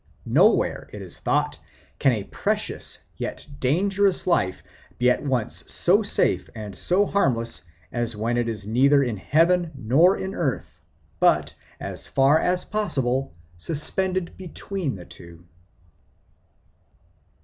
Nowhere, it is thought, can his precious yet dangerous life be at once so safe and so harmless as when it is neither in heaven nor in earth, but, as far as possible, suspended between the two.